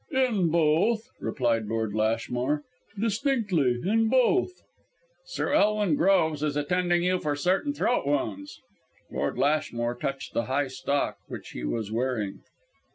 "In both," replied Lord Lashmore; "distinctly, in both." "Sir Elwin Groves is attending you for certain throat wounds " Lord Lashmore touched the high stock which he was wearing.